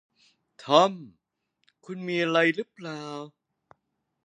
ทอม คุณมีอะไรหรือเปล่า